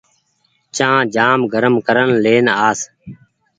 چآن گرم ڪرين لين آس